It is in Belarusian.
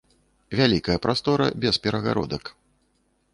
Вялікая прастора без перагародак.